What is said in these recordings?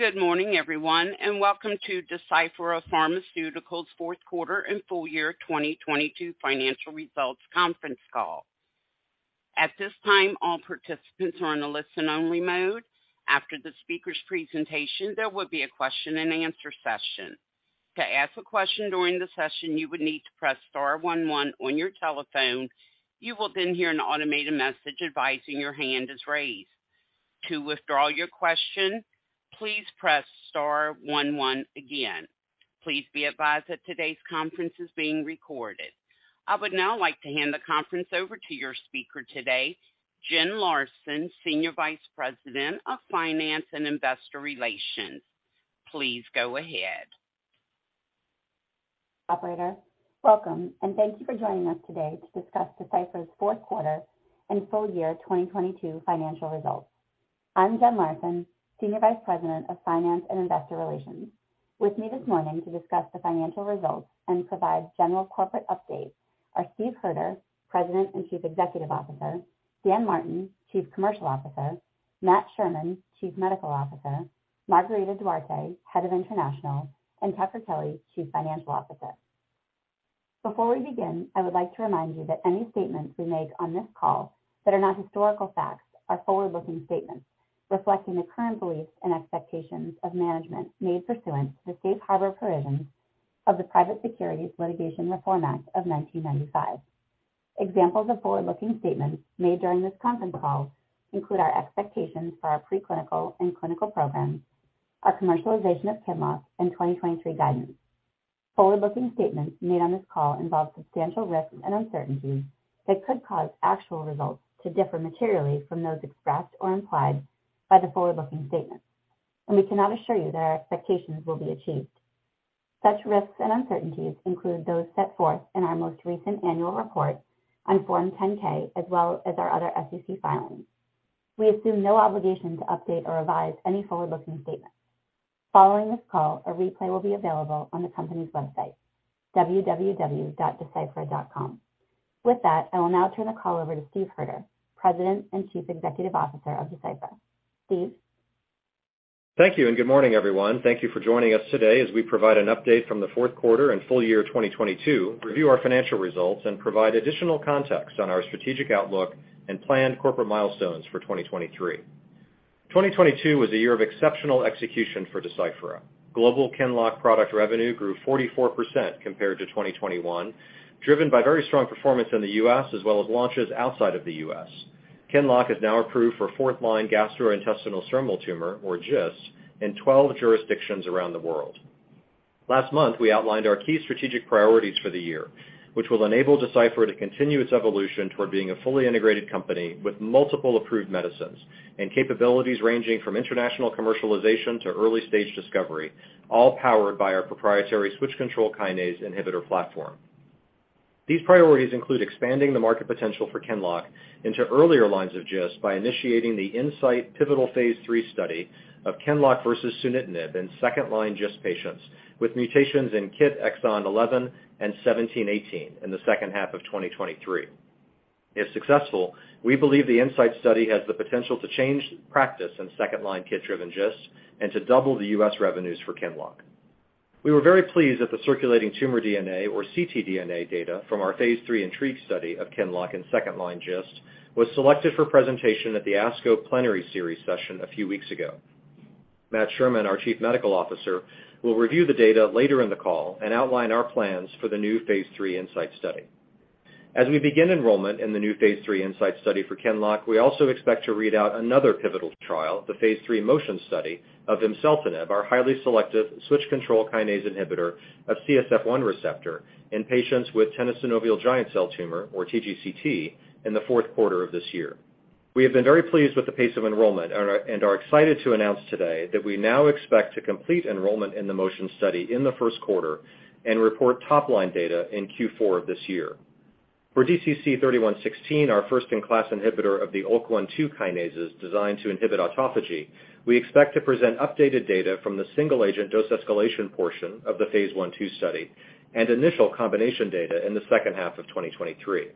Good morning everyone, and welcome to Deciphera Pharmaceuticals Q4 and full year 2022 financial results conference call. At this time, all participants are on a listen-only mode. After the speaker's presentation, there will be a question-and-answer session. To ask a question during the session, you would need to press star one one on your telephone. You will then hear an automated message advising your hand is raised. To withdraw your question, please press star one one again. Please be advised that today's conference is being recorded. I would now like to hand the conference over to your speaker today, Jenn Larson, Senior Vice President of Finance and Investor Relations. Please go ahead. Operator. Welcome, thank you for joining us today to discuss Deciphera's Q4 and full year 2022 financial results. I'm Jenn Larson, Senior Vice President of Finance and Investor Relations. With me this morning to discuss the financial results and provide general corporate updates are Steve Hoerter, President and Chief Executive Officer, Dan Martin, Chief Commercial Officer, Matt Sherman, Chief Medical Officer, Margarida Duarte, Head of International, and Tucker Kelly, Chief Financial Officer. Before we begin, I would like to remind you that any statements we make on this call that are not historical facts are forward-looking statements reflecting the current beliefs and expectations of management made pursuant to the safe harbor provisions of the Private Securities Litigation Reform Act of 1995. Examples of forward-looking statements made during this conference call include our expectations for our pre-clinical and clinical programs, our commercialization of QINLOCK in 2023 guidance. Forward-looking statements made on this call involve substantial risks and uncertainties that could cause actual results to differ materially from those expressed or implied by the forward-looking statements, and we cannot assure you that our expectations will be achieved. Such risks and uncertainties include those set forth in our most recent annual report on Form 10-K as well as our other SEC filings. We assume no obligation to update or revise any forward-looking statement. Following this call, a replay will be available on the company's website, www.deciphera.com. With that, I will now turn the call over to Steve Hoerter, President and Chief Executive Officer of Deciphera. Steve. Thank you. Good morning, everyone. Thank you for joining us today as we provide an update from the Q4 and full year 2022, review our financial results, and provide additional context on our strategic outlook and planned corporate milestones for 2023. 2022 was a year of exceptional execution for Deciphera. Global QINLOCK product revenue grew 44% compared to 2021, driven by very strong performance in the U.S. as well as launches outside of the U.S. QINLOCK is now approved for fourth line gastrointestinal stromal tumor, or GIST, in 12 jurisdictions around the world. Last month, we outlined our key strategic priorities for the year, which will enable Deciphera to continue its evolution toward being a fully integrated company with multiple approved medicines and capabilities ranging from international commercialization to early-stage discovery, all powered by our proprietary switch-control kinase inhibitor platform. These priorities include expanding the market potential for QINLOCK into earlier lines of GIST by initiating the INSIGHT pivotal phase three study of QINLOCK versus sunitinib in second-line GIST patients with mutations in KIT exon 11 and 17 18 in the H2 of 2023. If successful, we believe the INSIGHT study has the potential to change practice in second-line KIT-driven GIST and to double the U.S. revenues for QINLOCK. We were very pleased that the circulating tumor DNA or CTDNA data from our phase 3 INTRIGUE study of QINLOCK in second-line GIST was selected for presentation at the ASCO Plenary Series session a few weeks ago. Matt Sherman, our chief medical officer, will review the data later in the call and outline our plans for the new phase 3 INSIGHT study. We begin enrollment in the new phase three INSIGHT study for QINLOCK, we also expect to read out another pivotal trial, the phase three MOTION study of vimseltinib, our highly selective switch-control kinase inhibitor of CSF1R in patients with tenosynovial giant cell tumor, or TGCT, in the Q4 of this year. We have been very pleased with the pace of enrollment and are excited to announce today that we now expect to complete enrollment in the MOTION study in the Q1 and report top-line data in Q4 of this year. For DCC-3116, our first-in-class inhibitor of the ULK1/2 kinases designed to inhibit autophagy, we expect to present updated data from the single-agent dose escalation portion of the phase 1/2 study and initial combination data in the H2 of 2023.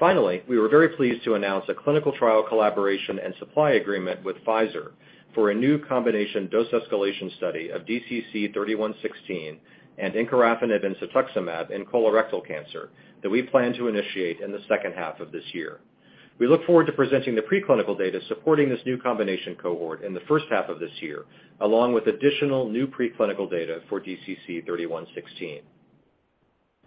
Finally, we were very pleased to announce a clinical trial collaboration and supply agreement with Pfizer for a new combination dose escalation study of DCC-3116 and encorafenib and cetuximab in colorectal cancer that we plan to initiate in the H2 of this year. We look forward to presenting the pre-clinical data supporting this new combination cohort in the H1 of this year, along with additional new pre-clinical data for DCC-3116.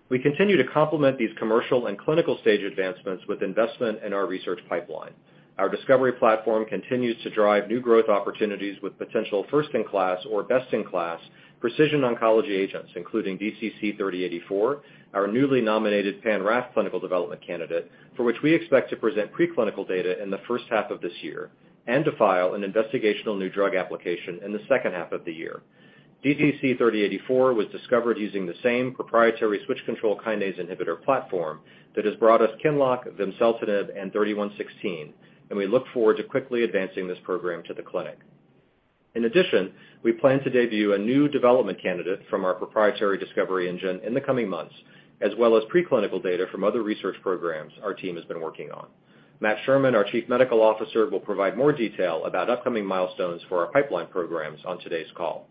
We continue to complement these commercial and clinical stage advancements with investment in our research pipeline. Our discovery platform continues to drive new growth opportunities with potential first in class or best in class precision oncology agents, including DCC-3084, our newly nominated pan-RAF clinical development candidate, for which we expect to present pre-clinical data in the H1 of this year and to file an investigational new drug application in the H2 of the year. DCC-3084 was discovered using the same proprietary switch-control kinase inhibitor platform that has brought us QINLOCK, vimseltinib, and 3116. We look forward to quickly advancing this program to the clinic. In addition, we plan to debut a new development candidate from our proprietary discovery engine in the coming months, as well as pre-clinical data from other research programs our team has been working on. Matt Sherman, our Chief Medical Officer, will provide more detail about upcoming milestones for our pipeline programs on today's call.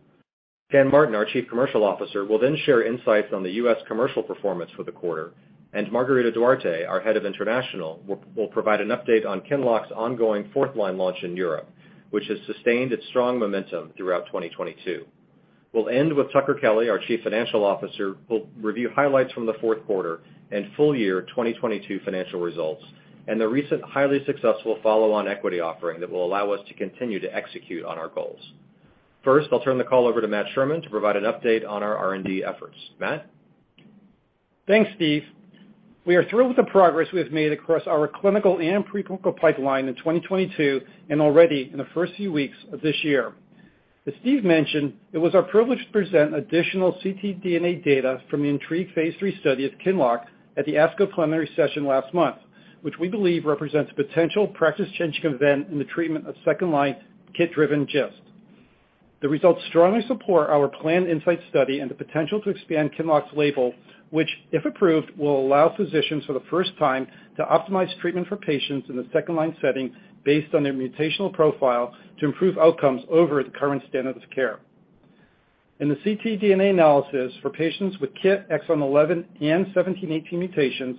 Dan Martin, our Chief Commercial Officer, will then share insights on the U.S. commercial performance for the quarter. Margarida Duarte, our Head of International, will provide an update on QINLOCK's ongoing fourth-line launch in Europe, which has sustained its strong momentum throughout 2022. We'll end with Tucker Kelly, our Chief Financial Officer, will review highlights from the Q4 and full year 2022 financial results and the recent highly successful follow-on equity offering that will allow us to continue to execute on our goals. I'll turn the call over to Matt Sherman to provide an update on our R&D efforts. Matt? Thanks, Steve. We are thrilled with the progress we have made across our clinical and pre-clinical pipeline in 2022 and already in the first few weeks of this year. As Steve mentioned, it was our privilege to present additional ctDNA data from the INTRIGUE Phase 3 study of QINLOCK at the ASCO Plenary Series last month, which we believe represents a potential practice-changing event in the treatment of second-line KIT-driven GIST. The results strongly support our planned INSIGHT study and the potential to expand QINLOCK's label, which, if approved, will allow physicians for the first time to optimize treatment for patients in the second-line setting based on their mutational profile to improve outcomes over the current standard of care. In the CTDNA analysis for patients with KIT exon 11 and 17/18 mutations,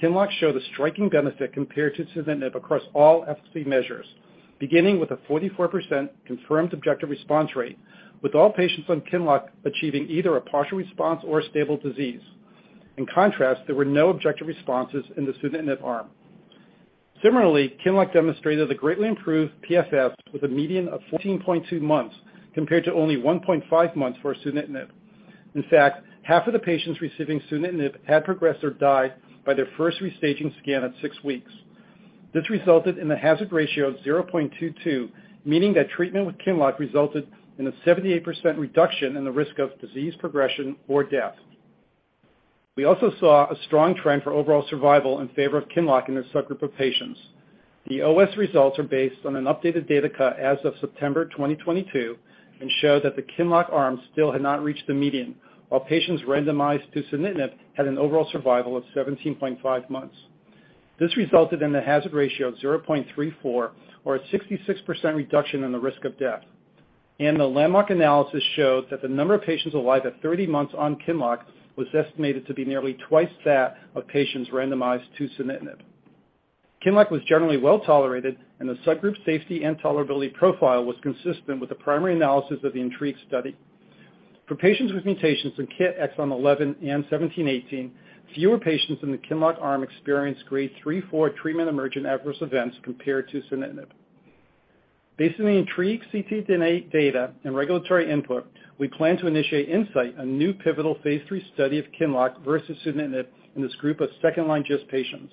QINLOCK showed a striking benefit compared to sunitinib across all FC measures, beginning with a 44% confirmed objective response rate, with all patients on QINLOCK achieving either a partial response or stable disease. In contrast, there were no objective responses in the sunitinib arm. Similarly, QINLOCK demonstrated a greatly improved PFS with a median of 14.2 months compared to only 1.5 months for sunitinib. In fact, half of the patients receiving sunitinib had progressed or died by their first restaging scan at 6 weeks. This resulted in a hazard ratio of 0.22, meaning that treatment with QINLOCK resulted in a 78% reduction in the risk of disease progression or death. We also saw a strong trend for overall survival in favor of QINLOCK in this subgroup of patients. The OS results are based on an updated data cut as of September 2022 and show that the QINLOCK arm still had not reached the median, while patients randomized to sunitinib had an overall survival of 17.5 months. This resulted in a hazard ratio of 0.34 or a 66% reduction in the risk of death. The landmark analysis showed that the number of patients alive at 30 months on QINLOCK was estimated to be nearly twice that of patients randomized to sunitinib. QINLOCK was generally well-tolerated, and the subgroup safety and tolerability profile was consistent with the primary analysis of the INTRIGUE study. For patients with mutations in KIT exon 11 and 17/18, fewer patients in the QINLOCK arm experienced grade 3/4 treatment emergent adverse events compared to sunitinib. Based on the INTRIGUE ctDNA data and regulatory input, we plan to initiate INSIGHT, a new pivotal Phase 3 study of QINLOCK versus sunitinib in this group of second-line GIST patients.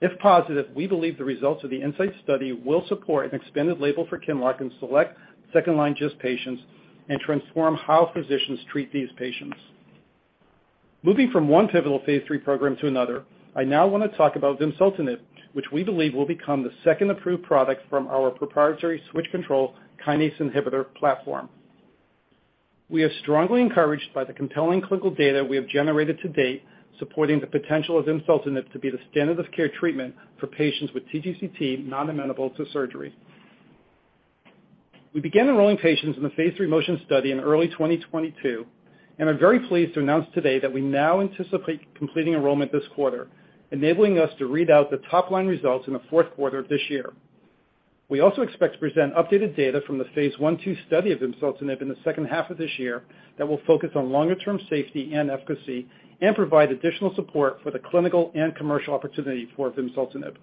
If positive, we believe the results of the INSIGHT study will support an expanded label for QINLOCK in select second-line GIST patients and transform how physicians treat these patients. Moving from one pivotal Phase 3 program to another, I now wanna talk about vimseltinib, which we believe will become the second approved product from our proprietary switch-control kinase inhibitor platform. We are strongly encouraged by the compelling clinical data we have generated to date supporting the potential of vimseltinib to be the standard of care treatment for patients with TGCT non-amenable to surgery. We began enrolling patients in the phase three MOTION study in early 2022 and are very pleased to announce today that we now anticipate completing enrollment this quarter, enabling us to read out the top line results in the Q4 of this year. We also expect to present updated data from the phase 1/2 study of vimseltinib in the H2 of this year that will focus on longer term safety and efficacy and provide additional support for the clinical and commercial opportunity for vimseltinib.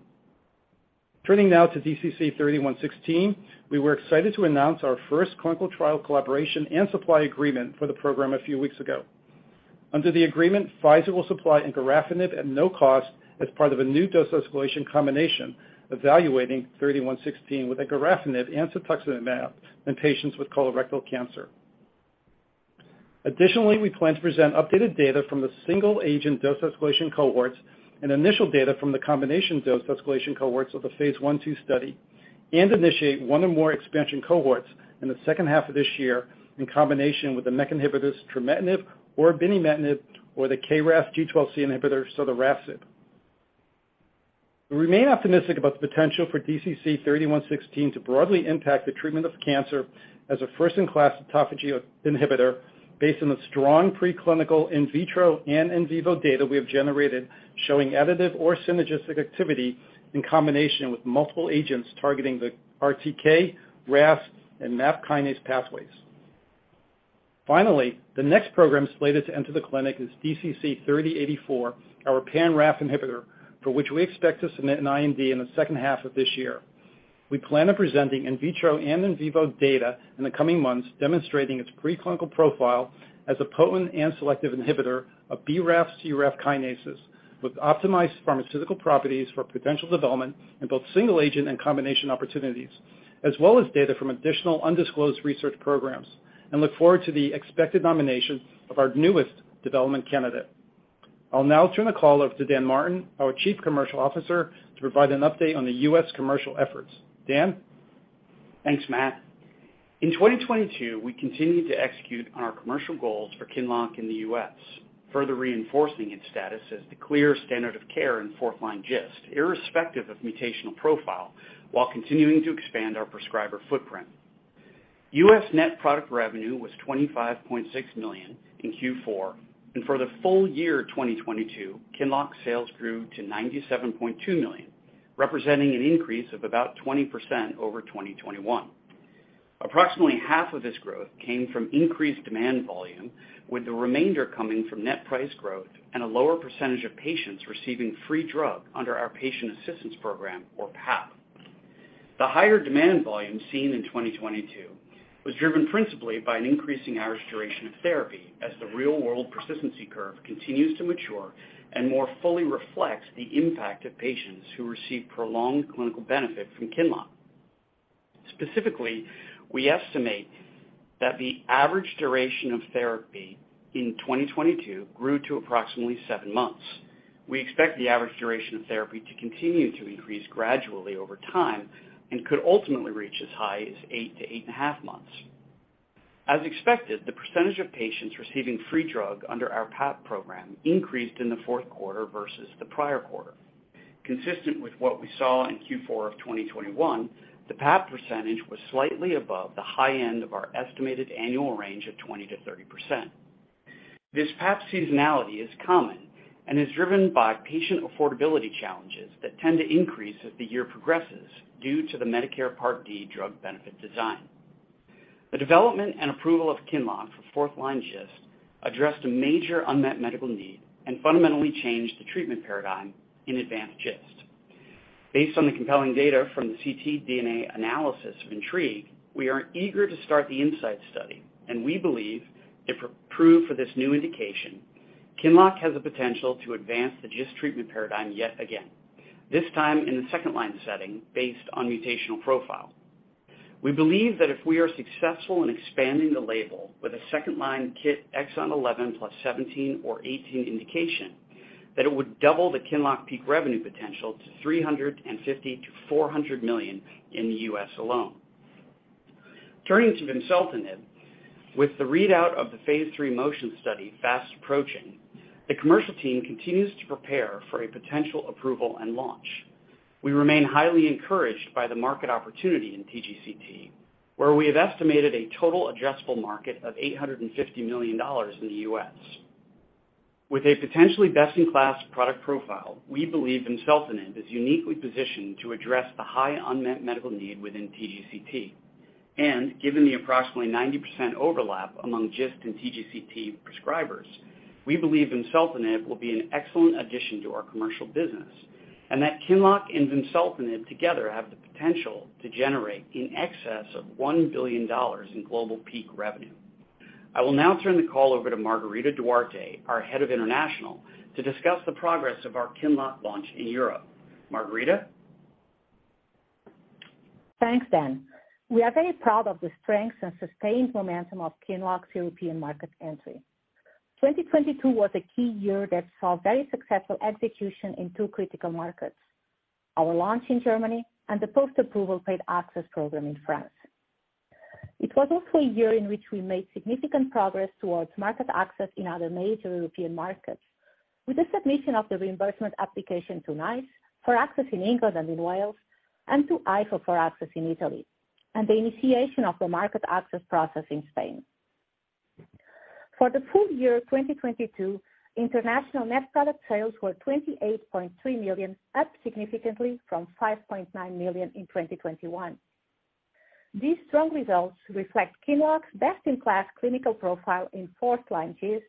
Turning now to DCC-3116, we were excited to announce our first clinical trial collaboration and supply agreement for the program a few weeks ago. Under the agreement, Pfizer will supply encorafenib at no cost as part of a new dose escalation combination evaluating 3116 with encorafenib and cetuximab in patients with colorectal cancer. Additionally, we plan to present updated data from the single agent dose escalation cohorts and initial data from the combination dose escalation cohorts of the Phase 1/2 study and initiate one or more expansion cohorts in the H2 of this year in combination with the MEK inhibitors trametinib or binimetinib or the KRAS G12C inhibitor sotorasib. We remain optimistic about the potential for DCC-3116 to broadly impact the treatment of cancer as a first-in-class autophagy inhibitor based on the strong preclinical in vitro and in vivo data we have generated showing additive or synergistic activity in combination with multiple agents targeting the RTK, RAS, and MAP kinase pathways. Finally, the next program slated to enter the clinic is DCC-3084, our pan-RAF inhibitor, for which we expect to submit an IND in the H2 of this year. We plan on presenting in vitro and in vivo data in the coming months demonstrating its preclinical profile as a potent and selective inhibitor of BRAF, CRAF kinases with optimized pharmaceutical properties for potential development in both single agent and combination opportunities, as well as data from additional undisclosed research programs, and look forward to the expected nomination of our newest development candidate. I'll now turn the call over to Dan Martin, our Chief Commercial Officer, to provide an update on the U.S. commercial efforts. Dan? Thanks, Matt. In 2022, we continued to execute on our commercial goals for QINLOCK in the U.S., further reinforcing its status as the clear standard of care in fourth line GIST, irrespective of mutational profile, while continuing to expand our prescriber footprint. U.S. net product revenue was $25.6 million in Q4. For the full year 2022, QINLOCK sales grew to $97.2 million, representing an increase of about 20% over 2021. Approximately half of this growth came from increased demand volume, with the remainder coming from net price growth and a lower % of patients receiving free drug under our patient assistance program, or PAP. The higher demand volume seen in 2022 was driven principally by an increasing average duration of therapy as the real-world persistency curve continues to mature and more fully reflects the impact of patients who receive prolonged clinical benefit from QINLOCK. Specifically, we estimate that the average duration of therapy in 2022 grew to approximately 7 months. We expect the average duration of therapy to continue to increase gradually over time and could ultimately reach as high as 8 to 8.5 months. As expected, the percentage of patients receiving free drug under our PAP program increased in the Q4 versus the prior quarter. Consistent with what we saw in Q4 of 2021, the PAP percentage was slightly above the high end of our estimated annual range of 20%-30%. This PAP seasonality is common and is driven by patient affordability challenges that tend to increase as the year progresses due to the Medicare Part D drug benefit design. The development and approval of QINLOCK for fourth-line GIST addressed a major unmet medical need and fundamentally changed the treatment paradigm in advanced GIST. Based on the compelling data from the CTDNA analysis of INTRIGUE, we are eager to start the INSIGHT study, and we believe if approved for this new indication, QINLOCK has the potential to advance the GIST treatment paradigm yet again, this time in the second-line setting based on mutational profile. We believe that if we are successful in expanding the label with a second-line KIT exon 11 plus 17 or 18 indication, that it would double the QINLOCK peak revenue potential to $350 million-$400 million in the U.S. alone. Turning to vimseltinib. With the readout of the phase three MOTION study fast approaching, the commercial team continues to prepare for a potential approval and launch. We remain highly encouraged by the market opportunity in TGCT, where we have estimated a total addressable market of $850 million in the U.S. With a potentially best-in-class product profile, we believe vimseltinib is uniquely positioned to address the high unmet medical need within TGCT. Given the approximately 90% overlap among GIST and TGCT prescribers, we believe vimseltinib will be an excellent addition to our commercial business and that QINLOCK and vimseltinib together have the potential to generate in excess of $1 billion in global peak revenue. I will now turn the call over to Margarida Duarte, our head of international, to discuss the progress of our QINLOCK launch in Europe. Margarida? Thanks, Ben. We are very proud of the strength and sustained momentum of QINLOCK's European market entry. 2022 was a key year that saw very successful execution in two critical markets: our launch in Germany and the post-approval trade access program in France. It was also a year in which we made significant progress towards market access in other major European markets with the submission of the reimbursement application to NICE for access in England and in Wales and to AIFA for access in Italy, and the initiation of the market access process in Spain. For the full year 2022, international net product sales were $28.3 million, up significantly from $5.9 million in 2021. These strong results reflect QINLOCK's best-in-class clinical profile in fourth-line GIST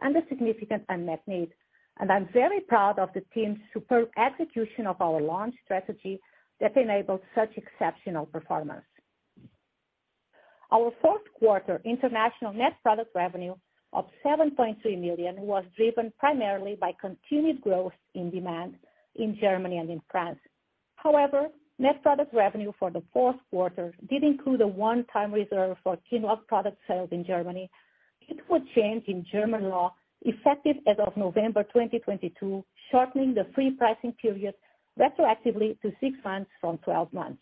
and the significant unmet need. I'm very proud of the team's superb execution of our launch strategy that enabled such exceptional performance. Our Q4 international net product revenue of $7.3 million was driven primarily by continued growth in demand in Germany and in France. Net product revenue for the Q4 did include a onetime reserve for QINLOCK product sales in Germany due to a change in German law effective as of November 2022, shortening the free pricing period retroactively to 6 months from 12 months.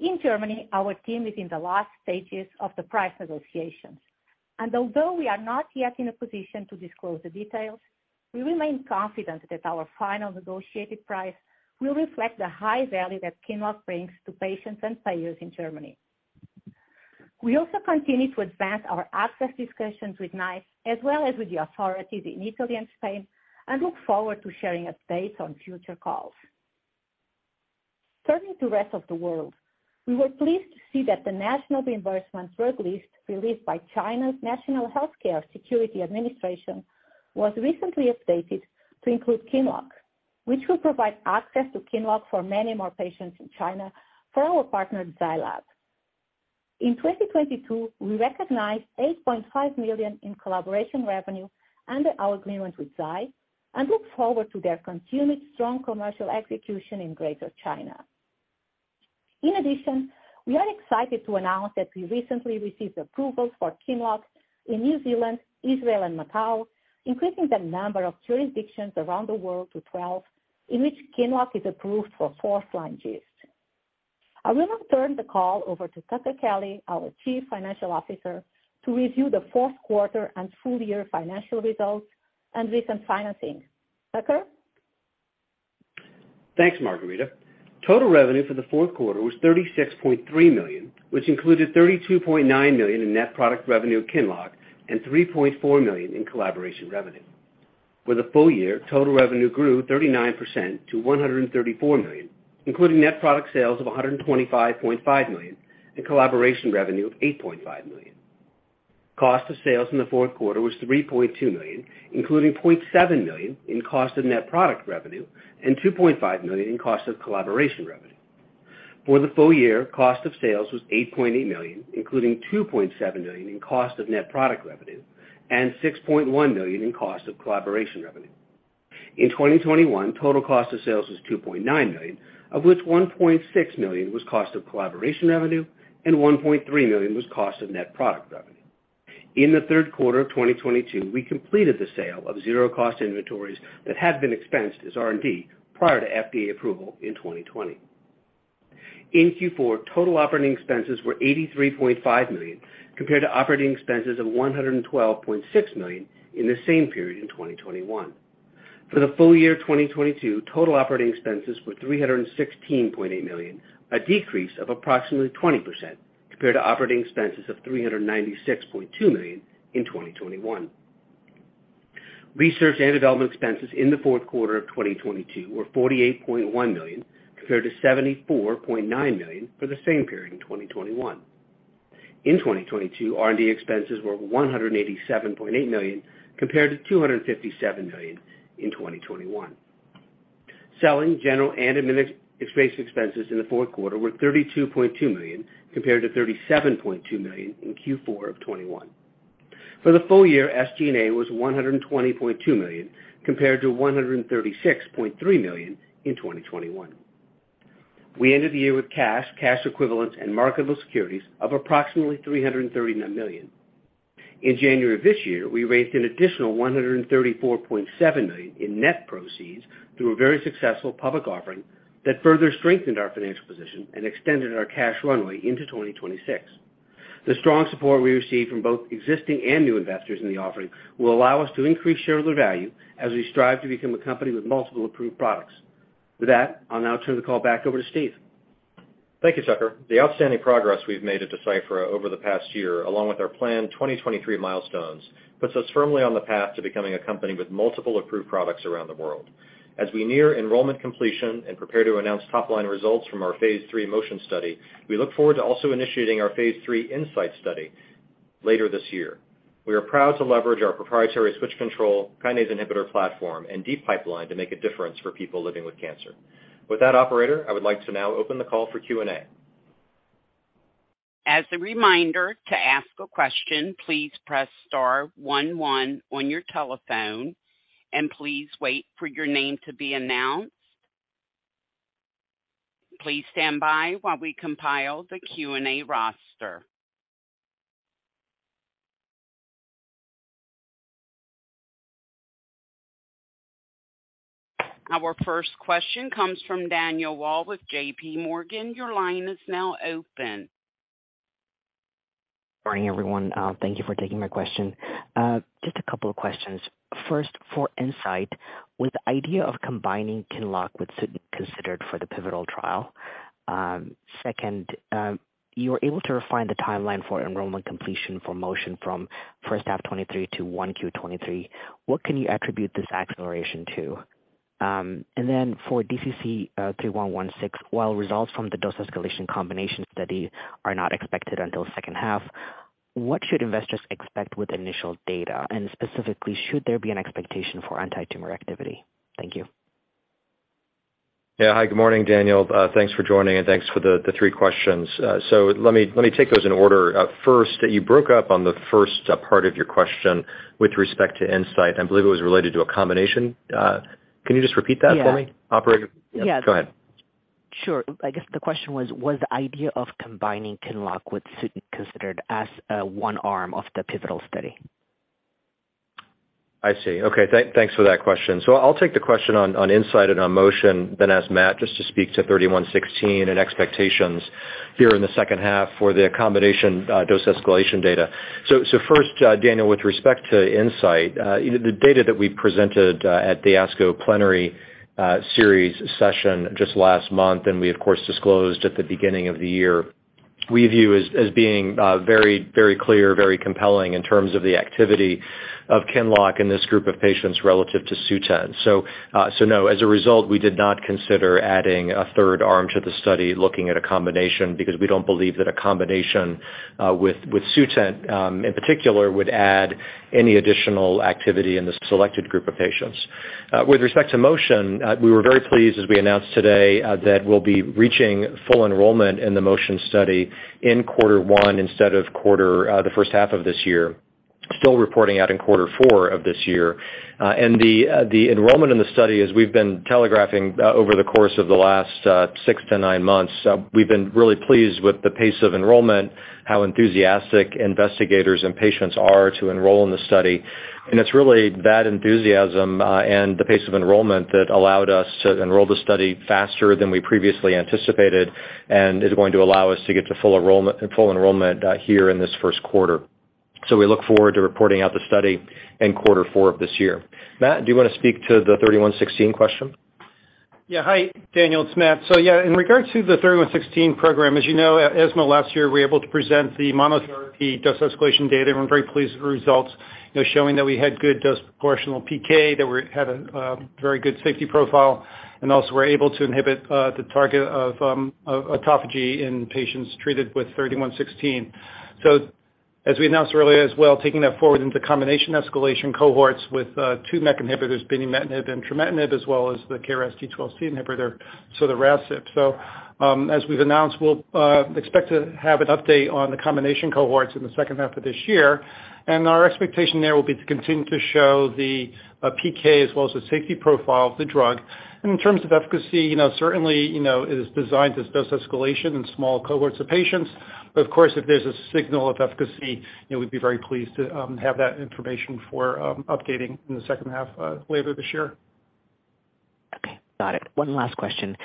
In Germany, our team is in the last stages of the price negotiations. Although we are not yet in a position to disclose the details, we remain confident that our final negotiated price will reflect the high value that QINLOCK brings to patients and payers in Germany. We also continue to advance our access discussions with NICE, as well as with the authorities in Italy and Spain. We look forward to sharing updates on future calls. Turning to rest of the world, we were pleased to see that the National Reimbursement Drug List released by China's National Healthcare Security Administration was recently updated to include QINLOCK, which will provide access to QINLOCK for many more patients in China for our partner, Zai Lab. In 2022, we recognized $8.5 million in collaboration revenue under our agreement with Zai. We look forward to their continued strong commercial execution in Greater China. We are excited to announce that we recently received approvals for QINLOCK in New Zealand, Israel, and Macau, increasing the number of jurisdictions around the world to 12 in which QINLOCK is approved for four I will now turn the call over to Tucker Kelly, our Chief Financial Officer, to review the Q4 and full year financial results and recent financing. Tucker? Thanks, Margarita. Total revenue for the Q4 was $36.3 million, which included $32.9 million in net product revenue at QINLOCK and $3.4 million in collaboration revenue. For the full year, total revenue grew 39% to $134 million, including net product sales of $125.5 million and collaboration revenue of $8.5 million. Cost of sales in the Q4 was $3.2 million, including $0.7 million in cost of net product revenue and $2.5 million in cost of collaboration revenue. For the full year, cost of sales was $8.8 million, including $2.7 million in cost of net product revenue and $6.1 million in cost of collaboration revenue. In 2021, total cost of sales was $2.9 million, of which $1.6 million was cost of collaboration revenue and $1.3 million was cost of net product revenue. In the Q3 of 2022, we completed the sale of zero cost inventories that had been expensed as R&D prior to FDA approval in 2020. In Q4, total operating expenses were $83.5 million, compared to operating expenses of $112.6 million in the same period in 2021. For the full year 2022, total operating expenses were $316.8 million, a decrease of approximately 20% compared to operating expenses of $396.2 million in 2021. Research and development expenses in the Q4 of 2022 were $48.1 million, compared to $74.9 million for the same period in 2021. In 2022, R&D expenses were $187.8 million compared to $257 million in 2021. Selling, general, and administrative expenses in the Q4 were $32.2 million compared to $37.2 million in Q4 of 2021. For the full year, SG&A was $120.2 million compared to $136.3 million in 2021. We ended the year with cash equivalents, and marketable securities of approximately $330 million. In January of this year, we raised an additional $134.7 million in net proceeds through a very successful public offering that further strengthened our financial position and extended our cash runway into 2026. The strong support we received from both existing and new investors in the offering will allow us to increase shareholder value as we strive to become a company with multiple approved products. With that, I'll now turn the call back over to Steve. Thank you, Tucker. The outstanding progress we've made at Deciphera over the past year, along with our planned 2023 milestones, puts us firmly on the path to becoming a company with multiple approved products around the world. As we near enrollment completion and prepare to announce top-line results from our Phase three MOTION study, we look forward to also initiating our Phase 3 INSIGHT study later this year. We are proud to leverage our proprietary switch-control kinase inhibitor platform and deep pipeline to make a difference for people living with cancer. With that operator, I would like to now open the call for Q&A. As a reminder, to ask a question, please press star 11 on your telephone and please wait for your name to be announced. Please stand by while we compile the Q&A roster. Our first question comes from Danielle Brill with JP Morgan. Your line is now open. Morning, everyone. Thank you for taking my question. Just a couple of questions. First, for INSIGHT, was the idea of combining QINLOCK with Sutent considered for the pivotal trial? Second, you were able to refine the timeline for enrollment completion for MOTION from H1 2023 to 1Q 2023. What can you attribute this acceleration to? Then for DCC-3116, while results from the dose escalation combination study are not expected until H2, what should investors expect with initial data? Specifically, should there be an expectation for antitumor activity? Thank you. Hi. Good morning, Daniel. Thanks for joining, and thanks for the three questions. Let me take those in order. First, you broke up on the first part of your question with respect to INSIGHT. I believe it was related to a combination. Can you just repeat that for me? Yeah. Operator? Yeah. Go ahead. Sure. I guess the question was the idea of combining QINLOCK with Sutent considered as one arm of the pivotal study? I see. Okay. Thanks for that question. I'll take the question on INSIGHT and on MOTION, then ask Matt just to speak to 3116 and expectations here in the H2 for the accommodation dose escalation data. First, Daniel, with respect to INSIGHT, you know, the data that we presented at the ASCO Plenary Series session just last month, and we, of course, disclosed at the beginning of the year, we view as being very, very clear, very compelling in terms of the activity of QINLOCK in this group of patients relative to Sutent. No, as a result, we did not consider adding a third arm to the study looking at a combination because we don't believe that a combination with Sutent in particular would add any additional activity in the selected group of patients. With respect to MOTION, we were very pleased, as we announced today, that we'll be reaching full enrollment in the MOTION study in quarter one instead of the H1 of this year. Still reporting out in quarter four of this year. The enrollment in the study, as we've been telegraphing over the course of the last 6 to 9 months, we've been really pleased with the pace of enrollment, how enthusiastic investigators and patients are to enroll in the study. It's really that enthusiasm, and the pace of enrollment that allowed us to enroll the study faster than we previously anticipated and is going to allow us to get to full enrollment here in this Q1. We look forward to reporting out the study in quarter four of this year. Matt, do you wanna speak to the 3116 question? Hi, Daniel, it's Matt. In regards to the 3116 program, as you know, at ESMO last year, we were able to present the monotherapy dose escalation data. We're very pleased with the results, you know, showing that we had good dose proportional PK, that we had a very good safety profile, and also we're able to inhibit the target of autophagy in patients treated with 3116. As we announced earlier as well, taking that forward into combination escalation cohorts with two MEK inhibitors, binimetinib and trametinib, as well as the KRAS G12C inhibitor, sotorasib. As we've announced, we'll expect to have an update on the combination cohorts in the H2 of this year, and our expectation there will be to continue to show the PK as well as the safety profile of the drug. In terms of efficacy, you know, certainly, you know, it is designed as dose escalation in small cohorts of patients. Of course, if there's a signal of efficacy, you know, we'd be very pleased to have that information for updating in the H2 later this year. Okay, got it. One last question.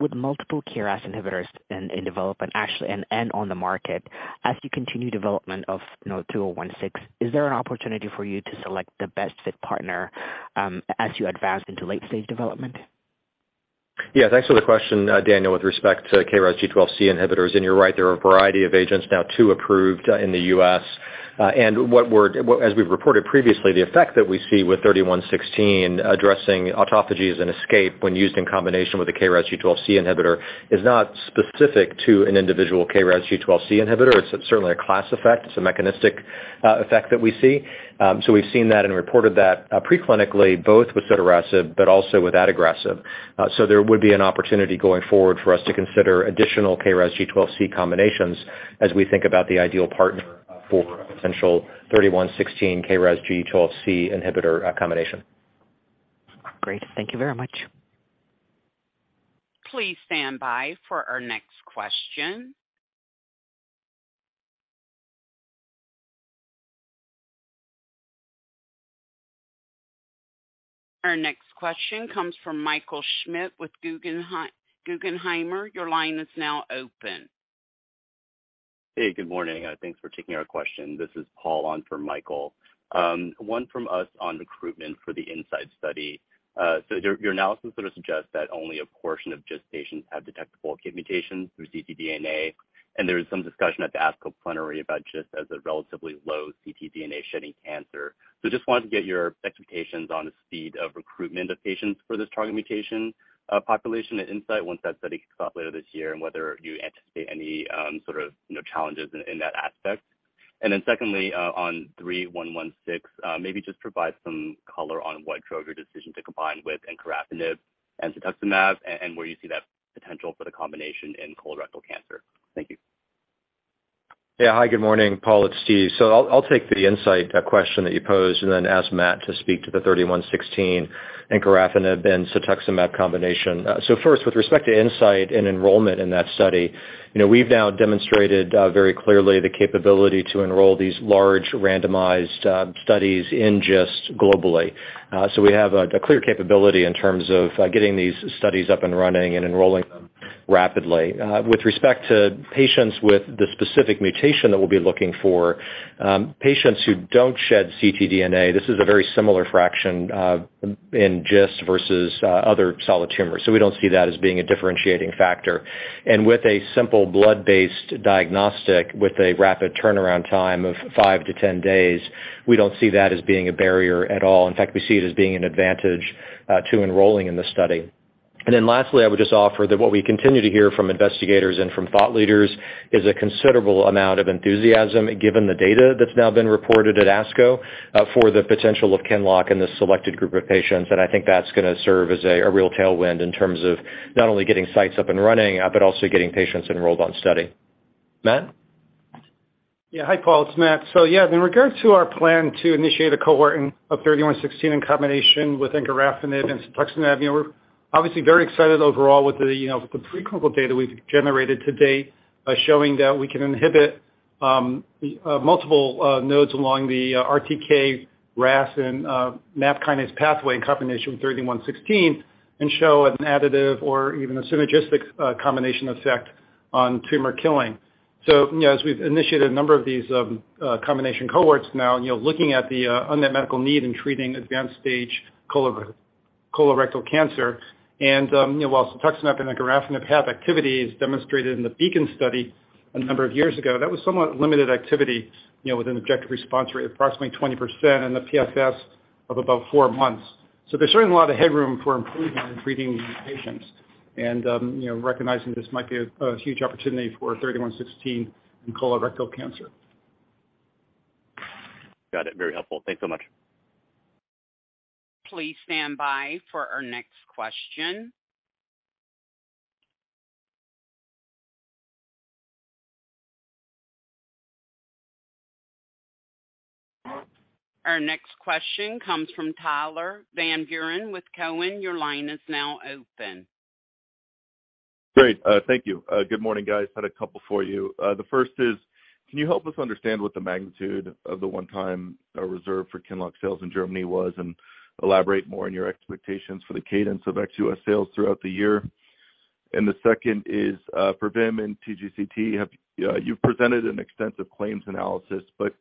With multiple KRAS inhibitors in development, actually, and on the market, as you continue development of, you know, 2016, is there an opportunity for you to select the best fit partner, as you advance into late-stage development? Thanks for the question, Daniel, with respect to KRAS G12C inhibitors. You're right, there are a variety of agents now, two approved in the U.S. As we've reported previously, the effect that we see with 3116 addressing autophagy as an escape when used in combination with a KRAS G12C inhibitor is not specific to an individual KRAS G12C inhibitor. It's certainly a class effect. It's a mechanistic effect that we see. We've seen that and reported that preclinically, both with sotorasib, but also with adagrasib. There would be an opportunity going forward for us to consider additional KRAS G12C combinations as we think about the ideal partner for a potential 3116 KRAS G12C inhibitor combination. Great. Thank you very much. Please stand by for our next question. Our next question comes from Michael Schmidt with Guggenheim. Your line is now open. Hey, good morning, and thanks for taking our question. This is Paul on for Michael. One from us on recruitment for the INSIGHT study. So your analysis sort of suggests that only a portion of GIST patients have detectable KIT mutations through ctDNA, and there is some discussion at the ASCO Plenary about GIST as a relatively low ctDNA shedding cancer. Just wanted to get your expectations on the speed of recruitment of patients for this target mutation, population at INSIGHT once that study kicks off later this year and whether you anticipate any, sort of, you know, challenges in that aspect. Secondly, on 3116, maybe just provide some color on what drove your decision to combine with encorafenib and cetuximab and where you see that potential for the combination in colorectal cancer. Thank you. Yeah. Hi, good morning, Paul. It's Steve. I'll take the INSIGHT question that you posed and then ask Matt to speak to the 3116 encorafenib and cetuximab combination. First, with respect to INSIGHT and enrollment in that study, you know, we've now demonstrated very clearly the capability to enroll these large randomized studies in GIST globally. We have a clear capability in terms of getting these studies up and running and enrolling them rapidly. With respect to patients with the specific mutation that we'll be looking for, patients who don't shed ctDNA, this is a very similar fraction in GIST versus other solid tumors. We don't see that as being a differentiating factor. With a simple blood-based diagnostic with a rapid turnaround time of five-ten days, we don't see that as being a barrier at all. In fact, we see it as being an advantage to enrolling in the study. Lastly, I would just offer that what we continue to hear from investigators and from thought leaders is a considerable amount of enthusiasm given the data that's now been reported at ASCO for the potential of QINLOCK in this selected group of patients. I think that's gonna serve as a real tailwind in terms of not only getting sites up and running, but also getting patients enrolled on study. Matt? Hi, Paul. It's Matt. In regards to our plan to initiate a cohort of 3116 in combination with encorafenib and cetuximab, you know, we're obviously very excited overall with the, you know, with the preclinical data we've generated to date, showing that we can inhibit multiple nodes along the RTK RAS and MAP kinase pathway in combination with 3116 and show an additive or even a synergistic combination effect on tumor killing. You know, as we've initiated a number of these combination cohorts now, you know, looking at the unmet medical need in treating advanced stage colorectal cancer. You know, while cetuximab and encorafenib have activities demonstrated in the BEACON study a number of years ago, that was somewhat limited activity, you know, with an objective response rate of approximately 20% and the PFS of about 4 months. There's certainly a lot of headroom for improvement in treating these patients and, you know, recognizing this might be a huge opportunity for 3116 in colorectal cancer. Got it. Very helpful. Thanks so much. Please stand by for our next question. Our next question comes from Tyler Van Buren with Cowen. Your line is now open. Great. Thank you. Good morning, guys. Had a couple for you. The first is, can you help us understand what the magnitude of the one-time reserve for QINLOCK sales in Germany was, and elaborate more on your expectations for the cadence of ex-U.S. sales throughout the year? The second is, for VIM and TGCT, you've presented an extensive claims analysis, but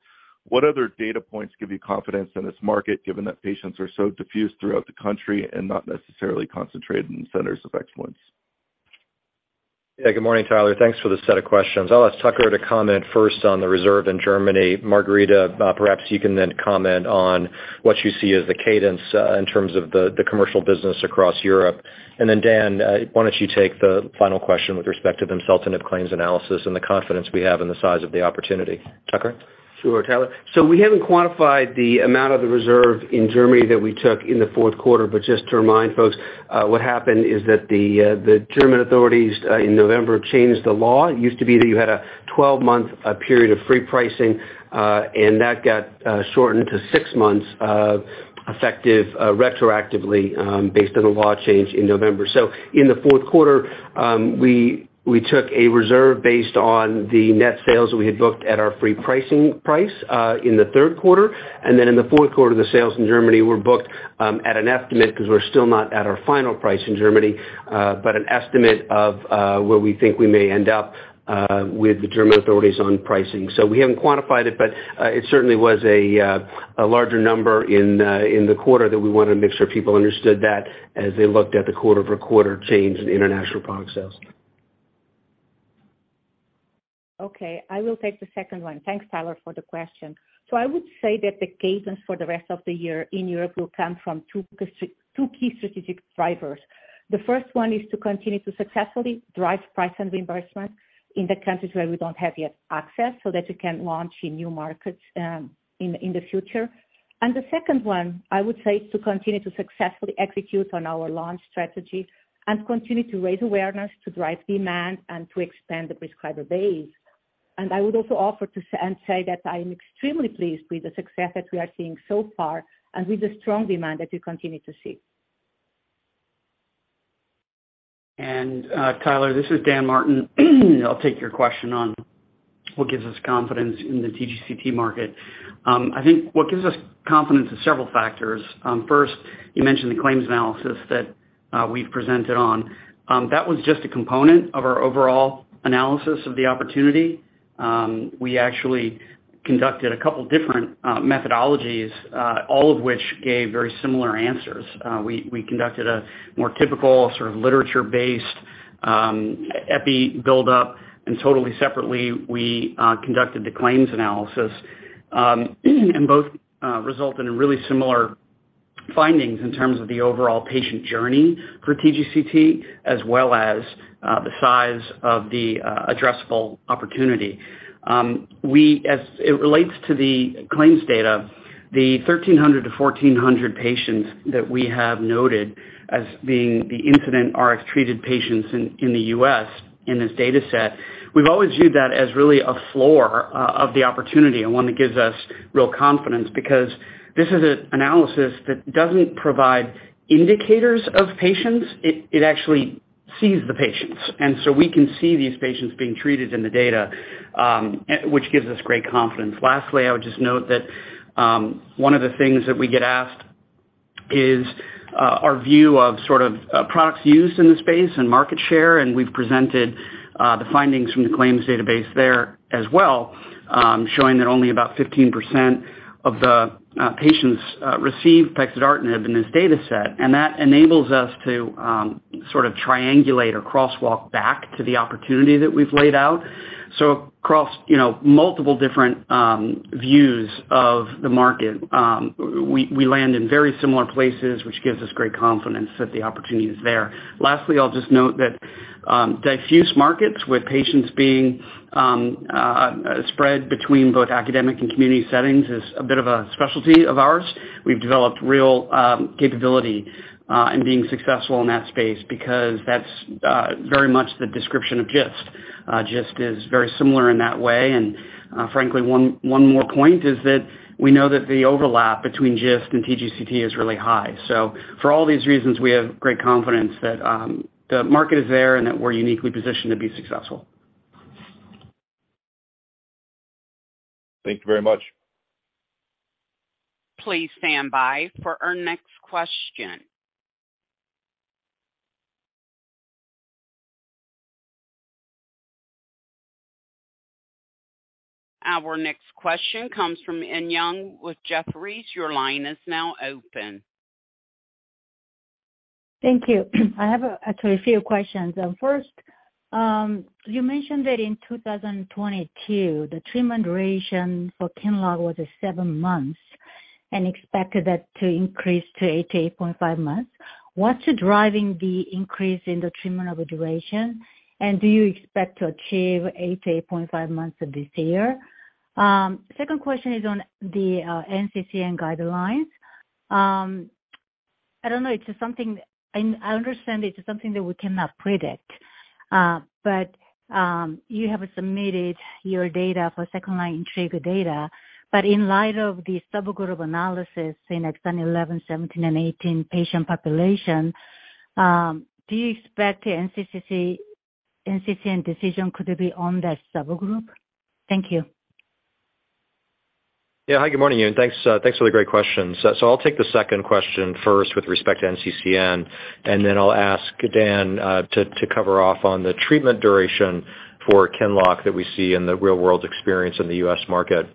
what other data points give you confidence in this market given that patients are so diffused throughout the country and not necessarily concentrated in centers of excellence? Good morning, Tyler. Thanks for the set of questions. I'll ask Tucker to comment first on the reserve in Germany. Margarida, perhaps you can comment on what you see as the cadence in terms of the commercial business across Europe. Dan, why don't you take the final question with respect to the vimseltinib claims analysis and the confidence we have in the size of the opportunity? Tucker? Sure, Tyler. We haven't quantified the amount of the reserve in Germany that we took in the Q4, but just to remind folks, what happened is that the German authorities in November changed the law. It used to be that you had a 12-month period of free pricing, and that got shortened to 6 months effective retroactively based on a law change in November. In the Q4, we took a reserve based on the net sales that we had booked at our free pricing price in the Q3. In the Q4, the sales in Germany were booked at an estimate because we're still not at our final price in Germany, but an estimate of where we think we may end up with the German authorities on pricing. We haven't quantified it, but it certainly was a larger number in the quarter that we wanted to make sure people understood that as they looked at the quarter-over-quarter change in international product sales. Okay. I will take the second one. Thanks, Tyler, for the question. I would say that the cadence for the rest of the year in Europe will come from two key strategic drivers. The first one is to continue to successfully drive price and reimbursement in the countries where we don't have yet access, so that we can launch in new markets in the future. The second one, I would say, is to continue to successfully execute on our launch strategy and continue to raise awareness to drive demand and to expand the prescriber base. I would also offer to say that I am extremely pleased with the success that we are seeing so far and with the strong demand that we continue to see. Tyler, this is Dan Martin. I'll take your question on what gives us confidence in the TGCT market. I think what gives us confidence is several factors. First, you mentioned the claims analysis that we've presented on. That was just a component of our overall analysis of the opportunity. We actually conducted a couple different methodologies, all of which gave very similar answers. We conducted a more typical sort of literature-based, epi build up, and totally separately, we conducted the claims analysis. Both result in really similar findings in terms of the overall patient journey for TGCT, as well as the size of the addressable opportunity. As it relates to the claims data, the 1,300 to 1,400 patients that we have noted as being the incident RAF treated patients in the U.S. in this data set, we've always viewed that as really a floor of the opportunity and one that gives us real confidence because this is an analysis that doesn't provide indicators of patients. It actually sees the patients. We can see these patients being treated in the data, which gives us great confidence. Lastly, I would just note that one of the things that we get asked is our view of sort of products used in the space and market share, and we've presented the findings from the claims database there as well, showing that only about 15% of the patients receive pexidartinib in this data set. That enables us to sort of triangulate or crosswalk back to the opportunity that we've laid out. Across, you know, multiple different views of the market, we land in very similar places, which gives us great confidence that the opportunity is there. Lastly, I'll just note that diffuse markets with patients being spread between both academic and community settings is a bit of a specialty of ours. We've developed real capability in being successful in that space because that's very much the description of GIST. GIST is very similar in that way. frankly, one more point is that we know that the overlap between GIST and TGCT is really high. for all these reasons, we have great confidence that the market is there and that we're uniquely positioned to be successful. Thank you very much. Please stand by for our next question. Our next question comes from Run Yang with Jefferies. Your line is now open. Thank you. I have actually a few questions. First, you mentioned that in 2022, the treatment duration for QINLOCK was at seven months and expected that to increase to 8-8.5 months. What's driving the increase in the treatment of duration? Do you expect to achieve 8-8.5 months this year? Second question is on the NCCN guidelines. I don't know, I understand it's something that we cannot predict. You have submitted your data for second-line INTRIGUE data. In light of the subgroup analysis in exon 11, 17, and 18 patient population, do you expect the NCCN decision could be on that subgroup? Thank you. Yeah. Hi, good morning, Yoon. Thanks, thanks for the great questions. I'll take the second question first with respect to NCCN, and then I'll ask Dan to cover off on the treatment duration for QINLOCK that we see in the real world experience in the U.S. market.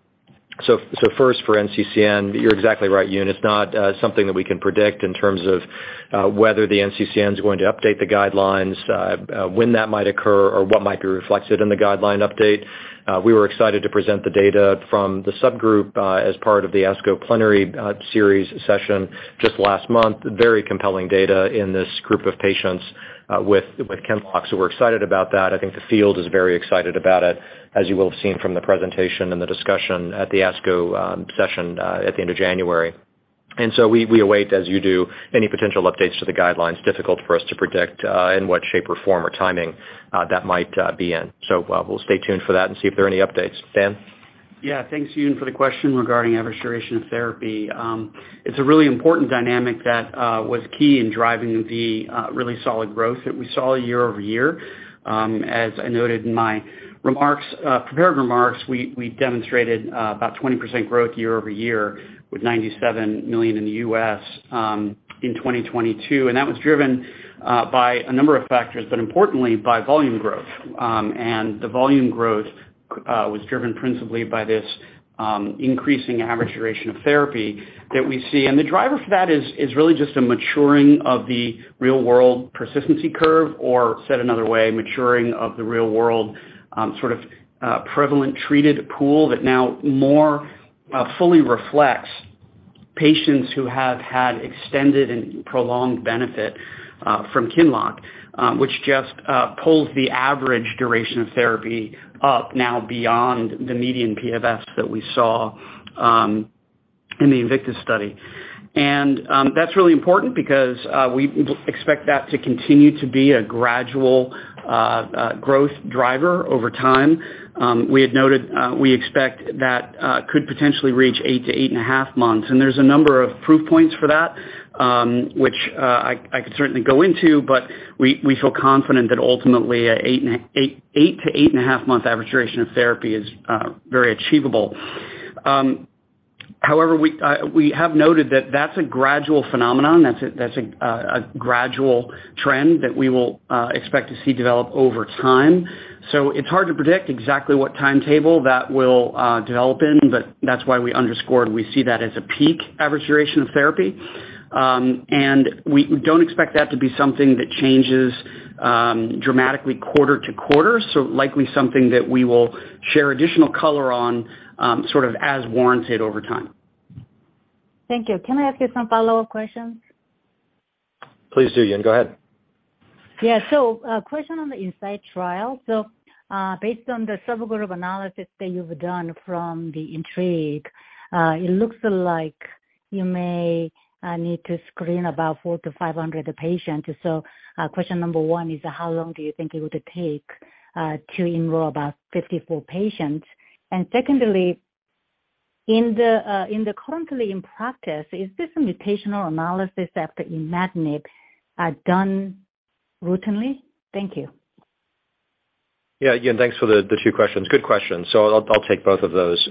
First for NCCN, you're exactly right, Yoon. It's not something that we can predict in terms of whether the NCCN is going to update the guidelines when that might occur or what might be reflected in the guideline update. We were excited to present the data from the subgroup as part of the ASCO Plenary Series session just last month. Very compelling data in this group of patients with QINLOCK. We're excited about that. I think the field is very excited about it, as you will have seen from the presentation and the discussion at the ASCO session at the end of January. We await, as you do, any potential updates to the guidelines, difficult for us to predict in what shape or form or timing that might be in. We'll stay tuned for that and see if there are any updates. Dan? Yeah. Thanks, Yoon, for the question regarding average duration of therapy. It's a really important dynamic that was key in driving the really solid growth that we saw quarter-over-quarter. As I noted in my remarks, prepared remarks, we demonstrated about 20% growth quarter-over-quarter with $97 million in the U.S., in 2022, and that was driven by a number of factors, but importantly by volume growth. The volume growth was driven principally by this increasing average duration of therapy that we see. The driver for that is really just a maturing of the real-world persistency curve, or said another way, maturing of the real world, sort of, prevalent treated pool that now more fully reflects patients who have had extended and prolonged benefit from QINLOCK, which just pulls the average duration of therapy up now beyond the median PFS that we saw in the INVICTUS study. That's really important because we expect that to continue to be a gradual growth driver over time. We had noted, we expect that, could potentially reach 8 to 8.5 months. There's a number of proof points for that, which I could certainly go into, but we feel confident that ultimately 8 to 8.5 month average duration of therapy is very achievable. However, we have noted that that's a gradual phenomenon, that's a gradual trend that we will expect to see develop over time. It's hard to predict exactly what timetable that will develop in, but that's why we underscored we see that as a peak average duration of therapy. We don't expect that to be something that changes dramatically quarter to quarter, so likely something that we will share additional color on sort of as warranted over time. Thank you. Can I ask you some follow-up questions? Please do, Yang. Go ahead. Yeah. Question on the INSIGHT trial. Based on the subgroup analysis that you've done from the INTRIGUE, it looks like you may need to screen about 400-500 patients. Secondly, in the currently in practice, is this mutational analysis after imatinib done routinely? Thank you. Yeah. Yoon, thanks for the two questions. Good questions. I'll take both of those.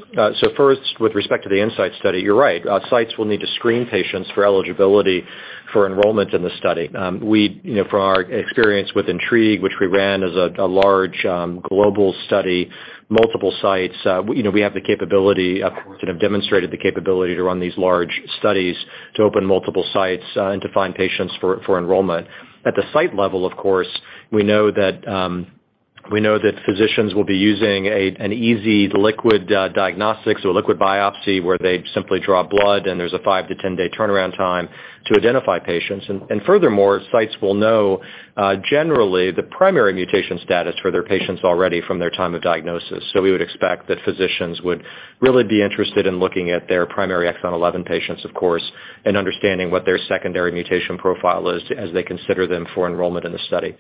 First, with respect to the INSIGHT study, you're right. Sites will need to screen patients for eligibility for enrollment in the study. You know, from our experience with INTRIGUE, which we ran as a large global study, multiple sites, you know, we have the capability, of course, and have demonstrated the capability to run these large studies to open multiple sites and to find patients for enrollment. At the site level, of course, we know that physicians will be using an easy liquid diagnostics or liquid biopsy where they simply draw blood and there's a 5-10-day turnaround time to identify patients. Furthermore, sites will know generally the primary mutation status for their patients already from their time of diagnosis. We would expect that physicians would really be interested in looking at their primary exon 11 patients, of course, and understanding what their secondary mutation profile is as they consider them for enrollment in the study.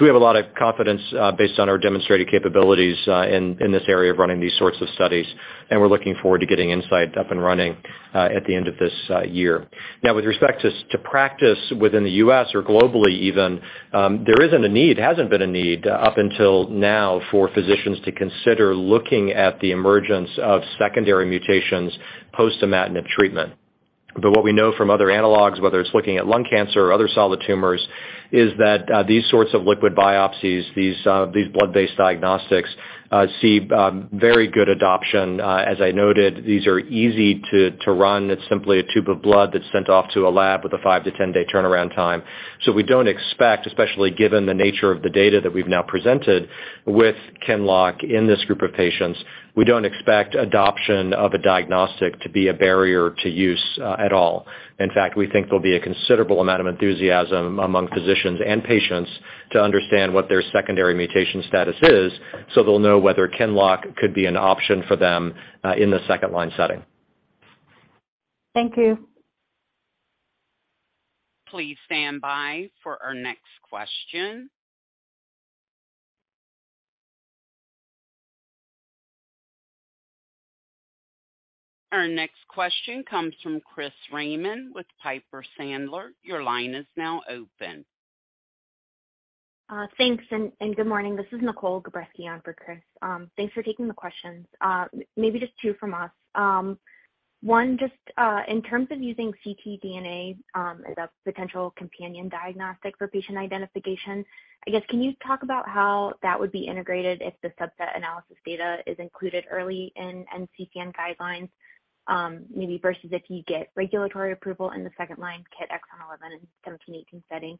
We have a lot of confidence based on our demonstrated capabilities in this area of running these sorts of studies, and we're looking forward to getting INSIGHT up and running at the end of this year. Now, with respect to to practice within the U.S. or globally even, there isn't a need, hasn't been a need up until now for physicians to consider looking at the emergence of secondary mutations post-imatinib treatment. What we know from other analogs, whether it's looking at lung cancer or other solid tumors, is that these sorts of liquid biopsies, these blood-based diagnostics, see very good adoption. As I noted, these are easy to run. It's simply a tube of blood that's sent off to a lab with a five-ten day turnaround time. We don't expect, especially given the nature of the data that we've now presented with QINLOCK in this group of patients, we don't expect adoption of a diagnostic to be a barrier to use at all. In fact, we think there'll be a considerable amount of enthusiasm among physicians and patients to understand what their secondary mutation status is so they'll know whether QINLOCK could be an option for them in the second-line setting. Thank you. Please stand by for our next question. Our next question comes from Christopher Raymond with Piper Sandler. Your line is now open. Thanks, and good morning. This is Nicole Gabreski on for Chris. Thanks for taking the questions. Maybe just two from us. One, just in terms of using ctDNA as a potential companion diagnostic for patient identification, I guess can you talk about how that would be integrated if the subset analysis data is included early in NCCN guidelines, maybe versus if you get regulatory approval in the second-line KIT exon 11 and 17/18 setting.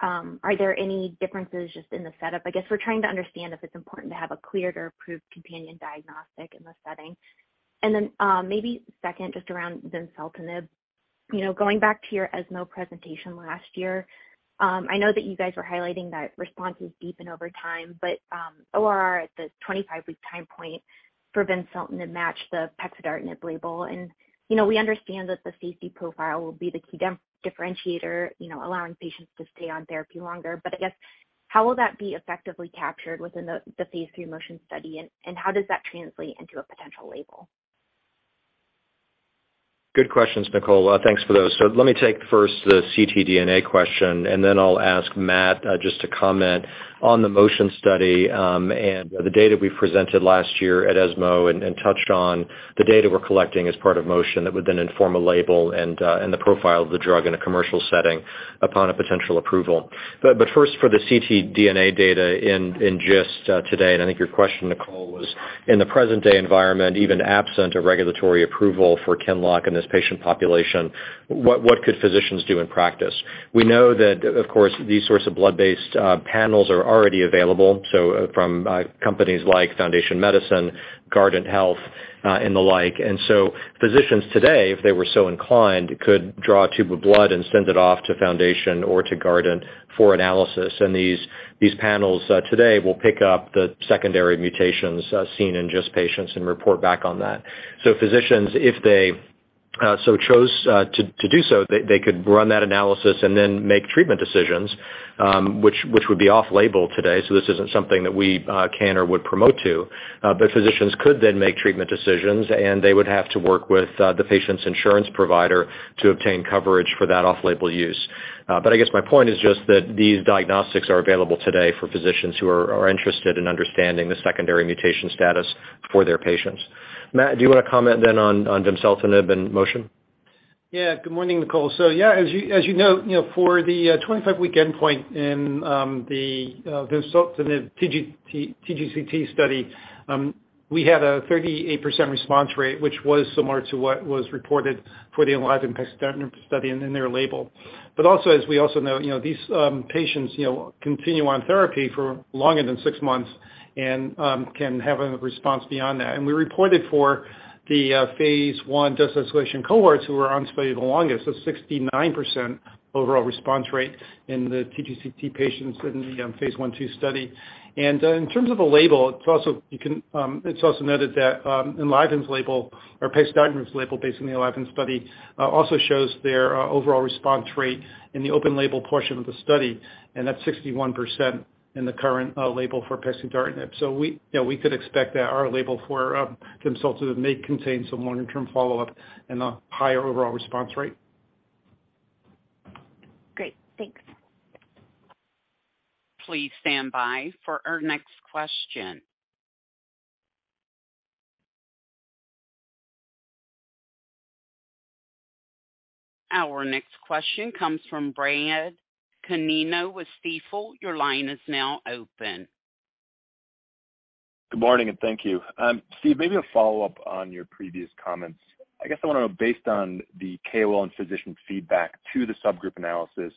Are there any differences just in the setup? I guess we're trying to understand if it's important to have a cleared or approved companion diagnostic in the setting. Maybe second, just around vimseltinib. You know, going back to your ESMO presentation last year, I know that you guys were highlighting that responses deepen over time, but ORR at the 25-week time point for vimseltinib match the pexidartinib label. You know, we understand that the safety profile will be the key differentiator, you know, allowing patients to stay on therapy longer. I guess, how will that be effectively captured within the phase three MOTION study, and how does that translate into a potential label? Good questions, Nicole. Thanks for those. Let me take first the ctDNA question, and then I'll ask Matt just to comment on the MOTION study and the data we presented last year at ESMO and touched on the data we're collecting as part of MOTION that would then inform a label and the profile of the drug in a commercial setting upon a potential approval. First, for the ctDNA data in GIST today, and I think your question, Nicole, was in the present-day environment, even absent a regulatory approval for QINLOCK in this patient population, what could physicians do in practice? We know that, of course, these sorts of blood-based panels are already available from companies like Foundation Medicine, Guardant Health, and the like. Physicians today, if they were so inclined, could draw a tube of blood and send it off to Foundation or to Guardant for analysis. These panels today will pick up the secondary mutations seen in GIST patients and report back on that. Physicians, if they so chose to do so, they could run that analysis and then make treatment decisions, which would be off-label today, so this isn't something that we can or would promote to. Physicians could then make treatment decisions, and they would have to work with the patient's insurance provider to obtain coverage for that off-label use. I guess my point is just that these diagnostics are available today for physicians who are interested in understanding the secondary mutation status for their patients. Matt, do you wanna comment then on vimseltinib and MOTION? Good morning, Nicole. As you know, you know, for the 25-week endpoint in the vimseltinib TGCT study, we had a 38% response rate, which was similar to what was reported for the ENLIVEN pexidartinib study and in their label. Also, as we also know, you know, these patients, you know, continue on therapy for longer than six months and can have a response beyond that. We reported for the phase one dose escalation cohorts who were on study the longest, a 69% overall response rate in the TGCT patients in the phase 1/2 study. In terms of a label, it's also. It's also noted that ENLIVEN's label or pexidartinib's label based on the ENLIVEN study, also shows their overall response rate in the open label portion of the study, and that's 61% in the current label for pexidartinib. We, you know, we could expect that our label for vimseltinib may contain some longer-term follow-up and a higher overall response rate. Great. Thanks. Please stand by for our next question. Our next question comes from Bradley Canino with Stifel. Your line is now open. Good morning, and thank you. Steve, maybe a follow-up on your previous comments. I guess I wanna know, based on the KOL and physician feedback to the subgroup analysis,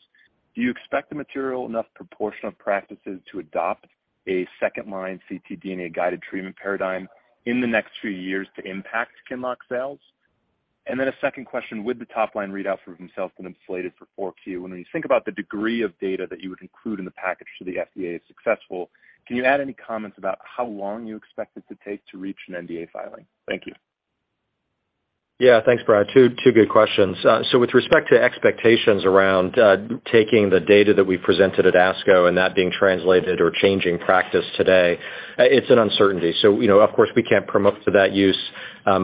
do you expect a material enough proportion of practices to adopt a second-line CTDNA guided treatment paradigm in the next few years to impact QINLOCK sales? A second question, with the top-line readout for vimseltinib slated for 4Q, when you think about the degree of data that you would include in the package should the FDA is successful, can you add any comments about how long you expect it to take to reach an NDA filing? Thank you. Thanks, Brad. Two good questions. With respect to expectations around taking the data that we presented at ASCO and that being translated or changing practice today, it's an uncertainty. You know, of course, we can't promote to that use.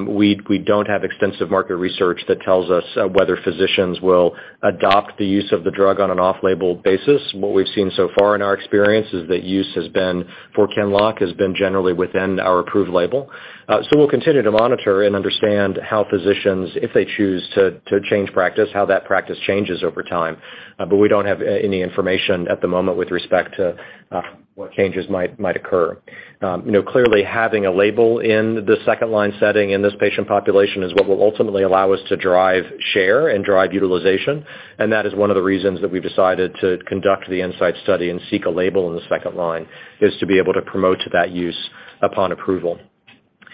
We don't have extensive market research that tells us whether physicians will adopt the use of the drug on an off-label basis. What we've seen so far in our experience is that use has been, for QINLOCK, generally within our approved label. We'll continue to monitor and understand how physicians, if they choose to change practice, how that practice changes over time. We don't have any information at the moment with respect to what changes might occur. you know, clearly having a label in the second-line setting in this patient population is what will ultimately allow us to drive share and drive utilization, and that is one of the reasons that we've decided to conduct the INSIGHT study and seek a label in the second line, is to be able to promote to that use upon approval.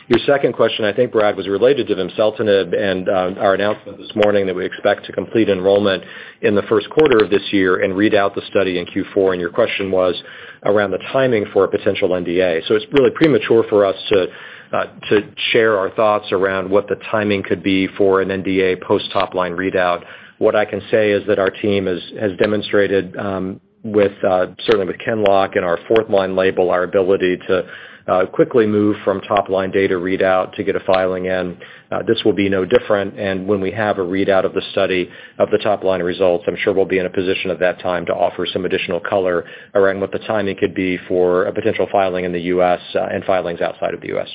Your second question, I think, Brad, was related to vimseltinib and, our announcement this morning that we expect to complete enrollment in the Q1 of this year and read out the study in Q4. Your question was around the timing for a potential NDA. It's really premature for us to share our thoughts around what the timing could be for an NDA post top line readout. What I can say is that our team has demonstrated, certainly with QINLOCK and our fourth line label, our ability to quickly move from top line data readout to get a filing in. This will be no different. When we have a readout of the study of the top line results, I'm sure we'll be in a position at that time to offer some additional color around what the timing could be for a potential filing in the U.S., and filings outside of the U.S.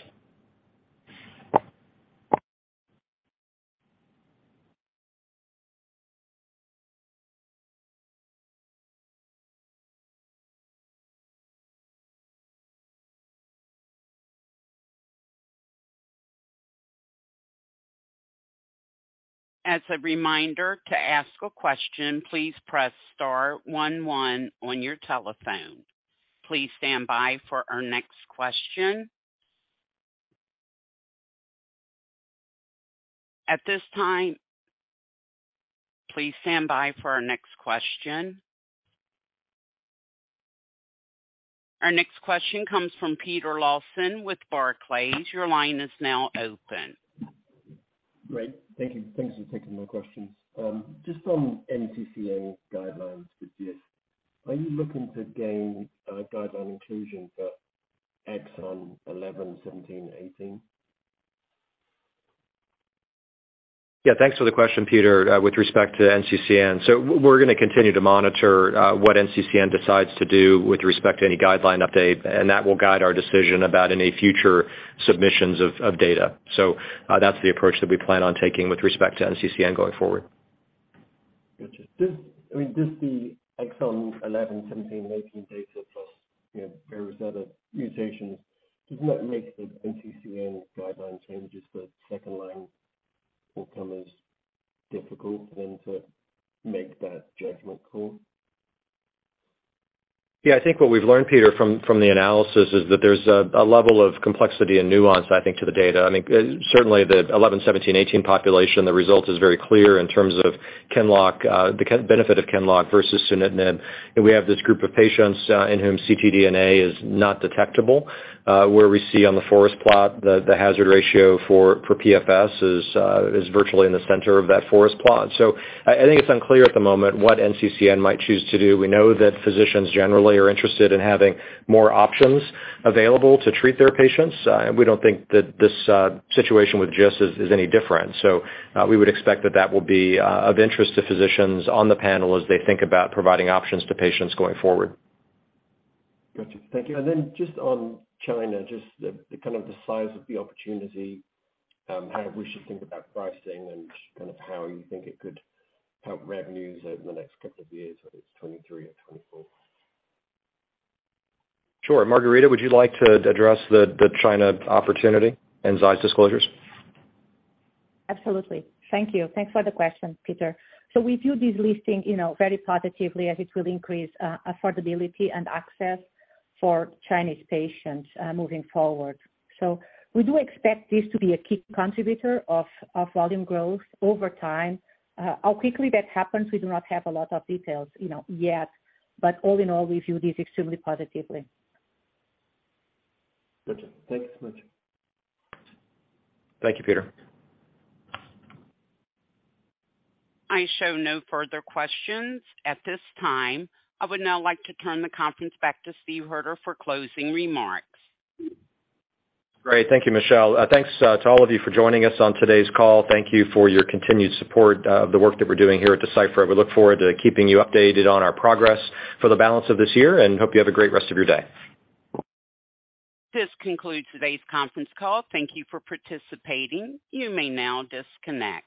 As a reminder, to ask a question, please press star one one on your telephone. Please stand by for our next question. Please stand by for our next question. Our next question comes from Peter Lawson with Barclays. Your line is now open. Great. Thank you. Thanks for taking my questions. Just on NCCN guidelines for GIST, are you looking to gain guideline inclusion for exon 11, 17, 18? Yeah, thanks for the question, Peter, with respect to NCCN. We're gonna continue to monitor what NCCN decides to do with respect to any guideline update, and that will guide our decision about any future submissions of data. That's the approach that we plan on taking with respect to NCCN going forward. Got you. I mean, does the exon 11, 17, 18 data plus, you know, various other mutations, doesn't that make the NCCN guideline changes for second-line newcomers difficult then to make that judgment call? Yeah, I think what we've learned, Peter, from the analysis is that there's a level of complexity and nuance, I mean, to the data. I mean, certainly the 11, 17, 18 population, the result is very clear in terms of QINLOCK, the k-benefit of QINLOCK versus sunitinib. We have this group of patients, in whom CTDNA is not detectable, where we see on the forest plot the hazard ratio for PFS is virtually in the center of that forest plot. I think it's unclear at the moment what NCCN might choose to do. We know that physicians generally are interested in having more options available to treat their patients. We don't think that this situation with GIST is any different. We would expect that that will be of interest to physicians on the panel as they think about providing options to patients going forward. Got you. Thank you. Just on China, just the kind of the size of the opportunity, how we should think about pricing and kind of how you think it could help revenues over the next couple of years, whether it's 2023 or 2024. Sure. Margarita, would you like to address the China opportunity and Zai's disclosures? Absolutely. Thank you. Thanks for the question, Peter. We view this listing, you know, very positively as it will increase affordability and access for Chinese patients moving forward. We do expect this to be a key contributor of volume growth over time. How quickly that happens, we do not have a lot of details, you know, yet. All in all, we view this extremely positively. Gotcha. Thanks so much. Thank you, Peter. I show no further questions at this time. I would now like to turn the conference back to Steve Hoerter for closing remarks. Great. Thank you, Michelle. Thanks to all of you for joining us on today's call. Thank you for your continued support of the work that we're doing here at Deciphera. We look forward to keeping you updated on our progress for the balance of this year. Hope you have a great rest of your day. This concludes today's conference call. Thank you for participating. You may now disconnect.